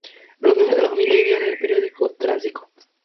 Los miembros de la familia vivieron en el período Triásico.